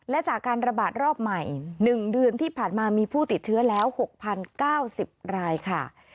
และจากการระบาดรอบใหม่๑เดือนที่ผ่านมามีผู้ติดเชื้อแล้ว๖๐๙๐รายค่ะ